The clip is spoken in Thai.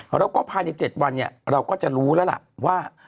แล้วก็ผ่านอีก๗วันเนี่ยเราก็จะรู้ละล่ะว่า